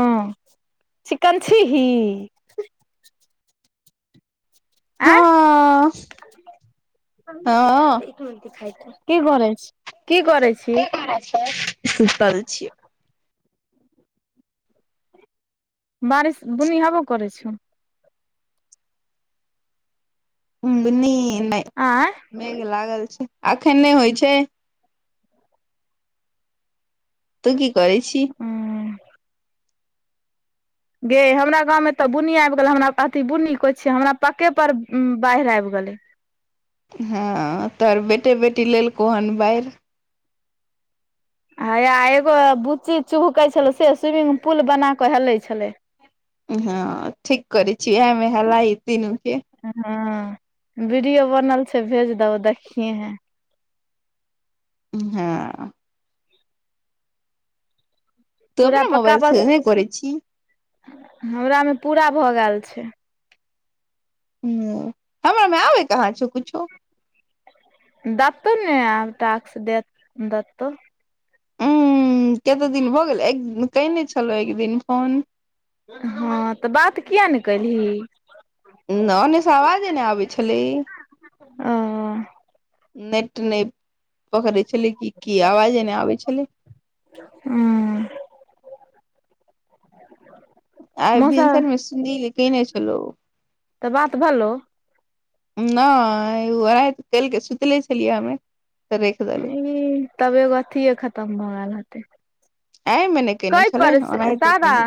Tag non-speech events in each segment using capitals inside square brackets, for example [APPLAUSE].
हँ चिकन छीही आँ हँ खा हँ छ की कर सुतल छियै बारिश बुनि हेबो करै छौ घनी नहि आँय मेघ लागल छै अखन नहि होइ छै तू की कर छी हँ गे हमरा गाँव में तऽ बुन्नी आबि गेले हमरा अथी बुन्नी कोइ छिय हमरा पके पर बाढ़ि आबि गेले हँ तो बेटे बेटी लेलको हन बाढ़ि हया एगो बुच्ची चुभकै छलो से स्विमिंग पुल बना क हेलै छले हँ ठीक करै छी उएहमे हेल ई तीनूके हँ वीडियो बनल छै भेज दहो देखियए हे हँ तू पूरा अपना पक्का मोबाइल परड़ से नहि करै छी हमरा मे पूरा भऽ गेल छै ह हमर मे आबे कहाँ छ कुछो देतऽ ने आब ताक दे दतो उं कते दिन भऽ गेल एक कने छलहु एक दिन फोन हँ तऽ बात किए नहि केल्हि न ने स आवाजे ने आबै छलै ओ नेट नहि पकड़े छलै कि की आवाजे नहि आबै छलै ह आ भिनसरमे सुनील कने छलहु तऽ बात भलो नहि तेल के सुतले छलियै हमे तऽ राखि देलौ ह तबे एगो अथए खतम भऽ गेल हतै एमे केने छले सादा ओनाहिने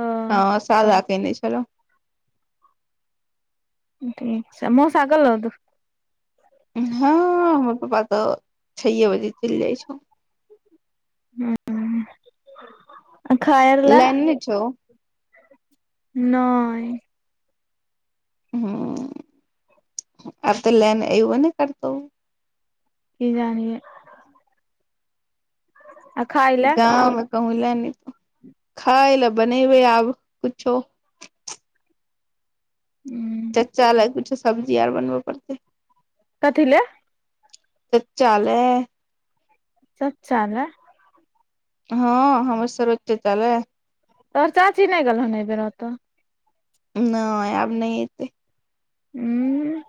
ओ ह सादा केने छलहु ठीक छै मोसा गलौ हँ हमर पापा तऽ छे बजे चलि जाइ छौ ह खायर ल लाइन नहि छौ नैय ह आत लैन ऐव नहि करतौ कि जानऐ आ खाय लए गाँव मे कहू लए ने खाय लए बनेबै आब कुछो हू चचा लग कुछु सब्जी आर बनबे पड़तै कथि ले चचा ले सच्चाल हँ हमर सर्वोच्च चालय तोहर चाची नहि गेलहन एहि बेर ओतऽ नहि आब नहि एतै हू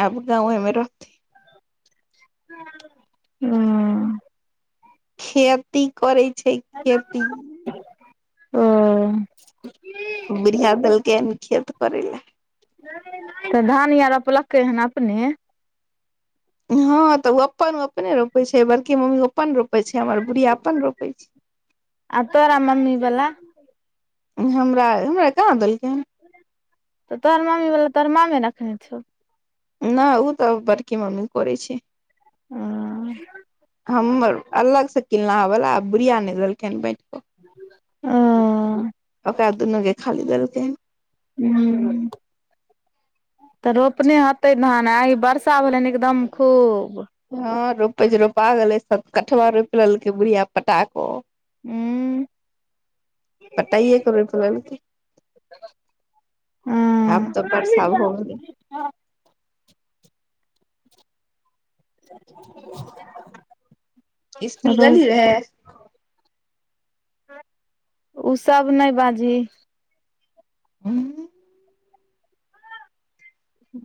आब गाँंवे मे रहते ह खेती करै छै खेती ओ बिरििया देलके खियत करलै तऽ धान आ रोपलकै हन अपने हँ तऽ ओ अपन ओ अपने रोपे छै बड़की मम्मी पप्पा अपन रोपै छै हमर बुढ़ी अपन रोपै छै आ तोरा मम्मी वाला हमरा हमरा कहाँ देलकै हन तऽ तोर मामी वाला तोरमाामे रखने छौ नहि ओ तऽ बड़की मम्मी करै छै ओ हमर अल्लाह से किलला वला बुढ़िया न नहि देलखिन ओ ओक दुन गे खाली देलखै हू तऽ रोपने हते धान आग बर्षा भेलै एकदम खूब हँ रोपै रोपा गेलै सब कठवा रोपि लेलकै बुढ़िया पटाको हँ पता हए कब पलान के आब तऽ परसा हो गेले [UNINTELLIGIBLE] इसकुल गेल्ही रोप रहै ओ सब नहि बाजही ह हू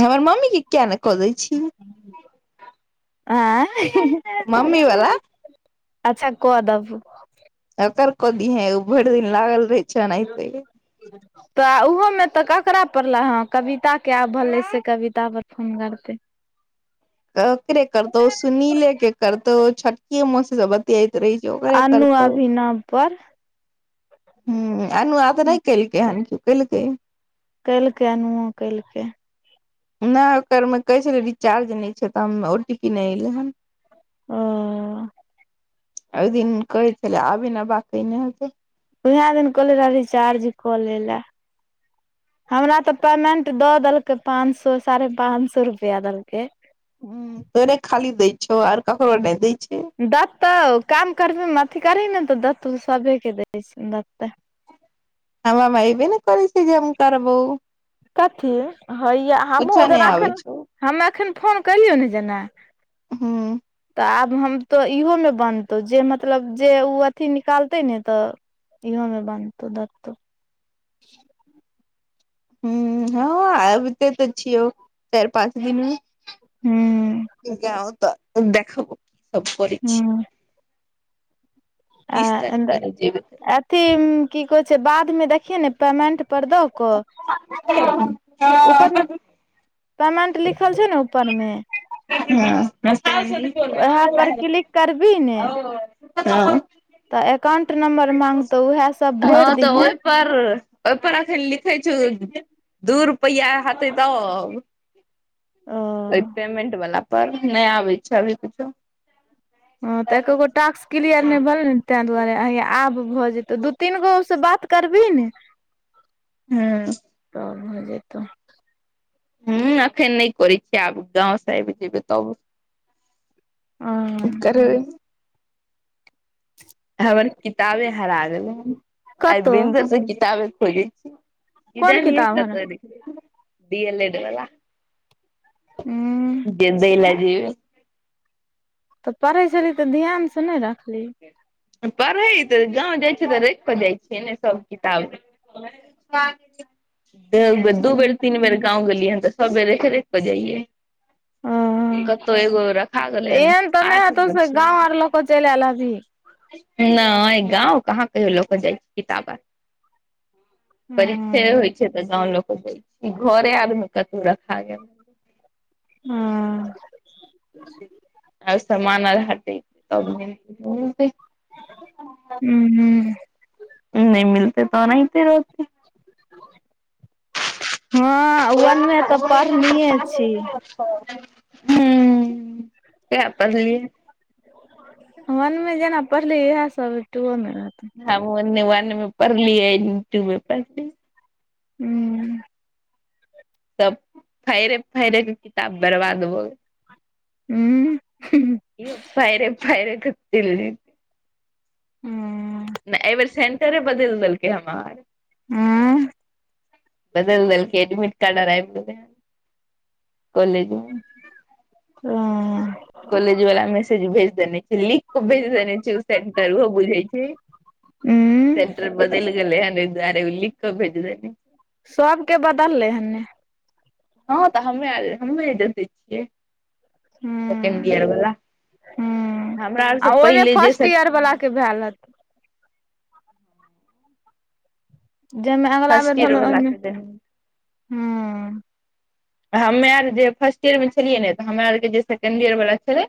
हमर मम्मी के किया ने कऽ दै छी आँ मम्मी वला अच्छा क दबु कर क दी हैं ओ भरि दिन लागल रहे छै ब एनाहिते तऽ ओहो में तऽ ककरा पड़ल हँ कविता के आब भेलै से कविता पर फोन करते ककरे करतौ सुनीले के करतौ छोटकी मोस जर त तऽ रहि जौगरे त अनु त अभिनव पर ह आनू आ तऽ नहि कलके ह क कलके कलके अनहो कलके नहि ओकरमे कहै छलै रिचार्ज नहि छै तऽ ओ टी पी नहि एलै हन ओ अ दी कै छल आब ने बकी नहित उहा दिन कले रही चार्ज कऽ ले ले हमरा तऽ पेमेंट दऽ देलकै पांच सए साढ़े पांच सए रुपआ देलकै ह त ओने खाली दै छ आ कखो नहि दै छै दऽत तऽ काम करबेमे अथी करी ने तऽ दत सभेके दै छै दतऽ हमबा भइ भी ने करै छै जे हम करबौ कथी हइया हमहूँ कुछो नहि जेना आबै एखन छौ ह एखन फोन कलियौ ने जेना हँ तऽ आब हम तऽ इहोमे बनतौ जे मतलब जे ओ अथिी निकालतै ने तऽ ईहोमे बानधतो धतत ह हँ आब ते तऽ छिय चारि पाँच दिन हूं गउ तऽ देखाब सब कर छी हूं आ बीस तारीख अथी की कहै छै बादमे देखियै ने पेमेंट पर दऽ कऽ ऊपरमे पेमेंट लिखल छै ने ऊपरमे उएह पर स क्लिक करबी ने फोन तऽ एककाउंट नम्बर मागतो उएह सब भोरि दिहे पर ओहिपर अखन लिखै छ दू रुपैया हतै तब ओ अय पेमेंट वला पर नहि आबै छै अभी किछो ह तऽ एकोगो टास्क क्लियर नहि भेलनै ने ताहि दुआरे आब भऽ जेतै दू तीन गो से बात करबी ने हँ आर भऽ जेतौ हूँ अखन नहि करय छियै आब गाँव सँ आबि जेबै तब ह करबै हमर किताबे हरा गेलय आइ कतौ भीनसर सँ किताबे खोजय छी कोन इधर नै किताब हरा कतबै डी एल एड वला हूँ गद ल जेी तऽ पढ़ै छली तऽ ध्यान से नहि रखली पढ़ै तऽ गाँव जाइ छियै तऽ राखि कऽ जाइ छियै ने सभ किताब बे दू बेर तीन बेर गाँव गेलियै ह तऽ सब बेर देख क ओ जाइयए कतौ एगो रखा गेलै हन आठ दिन से चैल आयल अभी नै गाँव कहाँ कहियो लऽ कय जाइ छी किताब आर परीक्षे हँ होइ छै तऽ गाँंव लोक जाय छी घरे आर मे कतहुँ राख गयल हँ आइ समान आर हटैते हूँ नहि मिलतय तऽ ओनाहिते रहतै [UNINTELLIGIBLE] वन मे तऽ पढ़निये छी [INAUDIBLE] हूँ यैह पढलियै वन मे जेना पढ़लीयै इएह सब टूओ मे रहतै हम ओनी वन मे पढ़ली यै एनी टू मे पढ़ली हूँ सब फैरे फैरे के किताब बर्बाद भऽ गेल ऊ हूँ हूँ यौ फैरे फैरे क दिल्ली ह नहि एहि बेर सेंटरे बदलि देलकै हमार हूँ बदलि देलकै एडमिट कार्ड आर आबि गेलय कॉलेज मे हूँ-हूँ कॉलेज वाला मेसेज भेज देने छलि भेज देने छै ओ सेंटर ओहो बुझै छै हूँ सेंटर बदलि गेलय हन ओहि द्वारे ओ लिखक भेज देने सब के बदललै हन ने हँ तऽ हमे आर हमे नै देखै छियै सेकेंड हुं इयर वाला हुं हमरा आर आ सँ ओहिमे पहिले जे फर्स्ट सब ईयर वला के भेल हत जेना अगिला बेर फर्स्ट ईयर भेलऽ ओहि वला मे के देने हूँ हमे आर जे फर्स्ट ईयर मे छलियै ने तऽ हमरा आर के जे सेकेंड ईयर वला छले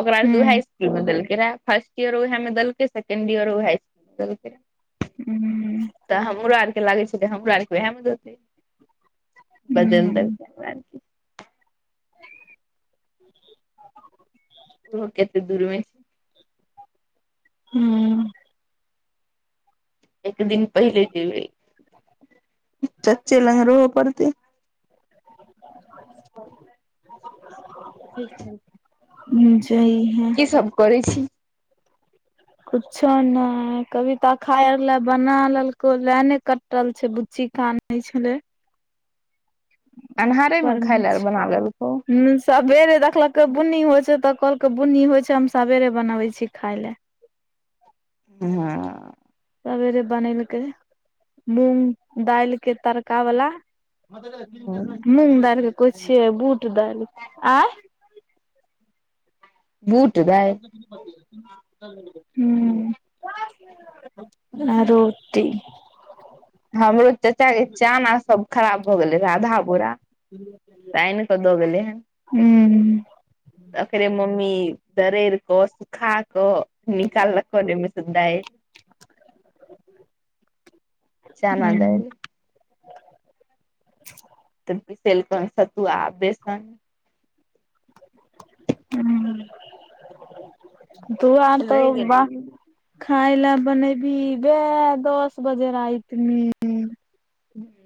ओकरा आर के उहे हुं स्कूल मे देलकै रहा फर्स्ट इयर ओए मे देलकै सेकेंड इयर ओ हाई देलकै हूँ तऽ हमरो आर के लागै छै त हमरो आर के उहय मे देतय गजेनदर [UNINTELLIGIBLE] [UNINTELLIGIBLE] ओहो कतेक दूर मे छै हूँ एक दिन पहिले जेबै चचे लग रहबऽ पड़ते आ ठीक छै हुँ जाहिया सब करै छी कुछो नहि कबितऽ अखाइ लए बना लेलको लेन ने कटल छै बुच्ची खान एहि छलै अन्हारे में पर खाय मे ले छै बना लेलकऊ हुं सबेरे देखलकै बुन्नी होइ छै तऽ कहलकै बुन्नी होइ छै हम सबेरे बनबै छी खाइ लए [INAUDIBLE] सेरे बनेलकै मूंग दालि के तड़का बला मूँग दालि के कहय छियै बूट दालि आय बूट दालि ह आ रोटी हमरो चाचा के चाना सब खराब भ गेले आधा बोरा हूँ त आएन क द गेले हन हूं औकरे मम्मी दरेर कऽ खा क निकालकन ह आईमास म दैल चाना हूं देल त पीसलकन सतुआ बेसन ह तू आर त रहि गेलै वाह खााय ल बनैबी बे दस बजे रहित में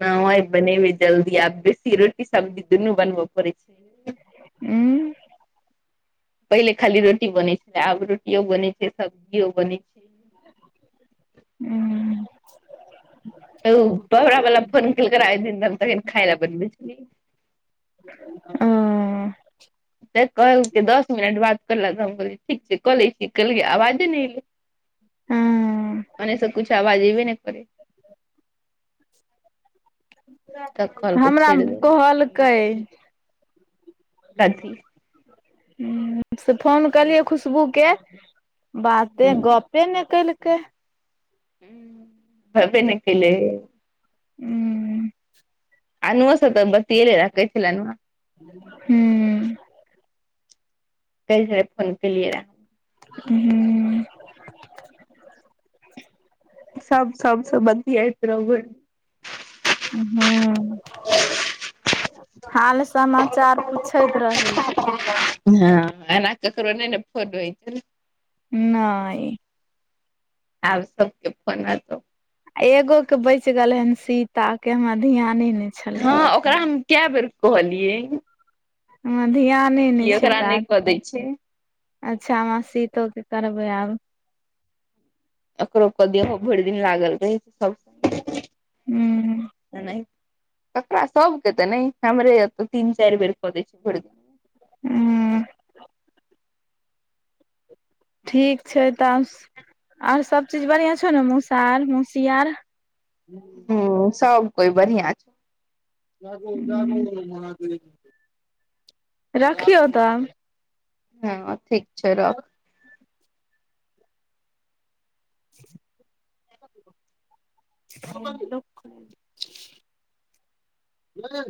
न बनेबे जल्दी आब बेसी रोटी सब्जी दुनू बनब पड़ै छै ह पहिले खाली रोटी बनै छल आब रोटियो बने छै सब्जियो बने छै ह्म त बाबरा बला फोन कलक रहा आब दिन त खाइ ल बैठ रहिये ओ तऽ कहलकै दस मिनट बाद करलक त हम कहलियै ठीक छै कऽ लै छी कहलियै आवाजे नहि एलै हं ओने से कछु आवाज एबे न करे तऽ कहलकै हमरा छोड़ि देल कहलकै ह से फोन कलियै खुशबू के बाते गपे ने केलकै ह भबे नहि कले हू अनुह स तऽ बतिएल रखै छल अनुआ हू कैह छला जे फोन कलियै रह हू सब सभसे बतियत रहु भर दिन हँ हाल समाचार पूछैत रही [UNINTELLIGIBLE] हँ ओना ककरो नहि ने फोन हो नहि आब सबके फोन आएब एगो के बच गेल हन सीता केहमरा ध्यान ने हँ ओकरा हम काय बेर कहलियए हमरा ध्याने नहि छै ओकरा नहि काज कऽ दै छै अच्छा हम शीतोके करबै आब एकरो पर देहो भरि दिन लागल रहै सब हू ककरा सबके तऽ नहि हमरे त तीन चारि बेर कऽ दै छी भरि दिन हू ठीक छैय ताउस आर सब चीज बढ़िआँ छौ न मौसा आर मौसी आर हे सब कोइ बढ़िआँ छै हू रखियौ तऽ हँ ठीक छै रख [UNINTELLIGIBLE] [INAUDIBLE] ह